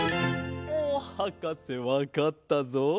はかせわかったぞ。